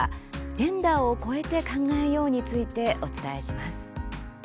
ジェンダーをこえて考えよう」について、お伝えします。